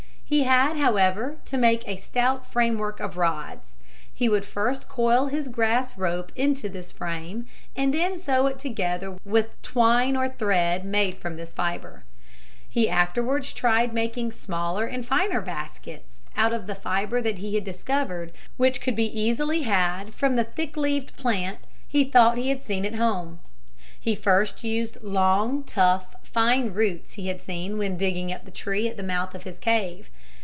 He had, however, to make a stout framework of rods. He would first coil his grass rope into this frame and then sew it together with twine or thread made from this fibre. [Illustration: ROBINSON'S BASKETS] He afterwards tried making smaller and finer baskets out of the fibre that he had discovered, which could be easily had from the thick leaved plant he thought he had seen at home. He first used long, tough, fine roots he had seen when digging up the tree at the mouth of his cave.